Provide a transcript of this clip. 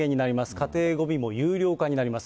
家庭ごみも有料化になります。